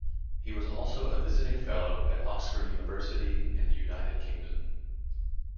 He was also a visiting fellow at Oxford University in the United Kingdom.